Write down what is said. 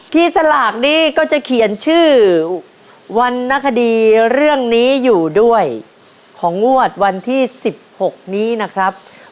ที่สลากนี้ก็จะเขียนชื่อวันนคดีเรื่องนี้อยู่ด้วยของงวดวันที่๑๖นี้นะครับ